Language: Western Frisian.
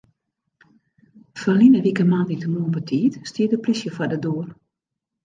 Ferline wike moandeitemoarn betiid stie de plysje foar de doar.